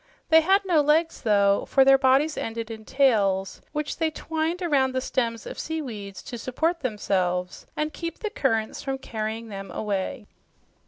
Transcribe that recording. They had no legs, though, for their bodies ended in tails which they twined around the stems of seaweeds to support themselves and keep the currents from carrying them away.